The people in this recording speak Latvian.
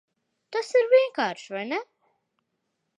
Tas ir vienkārši, vai ne?